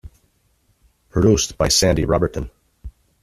Produced by Sandy Roberton.